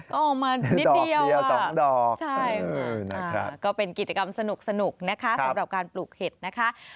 ก็ออกมานิดเดียว๒ดอกใช่ก็เป็นกิจกรรมสนุกนะคะสำหรับการปลูกเห็ดนะคะ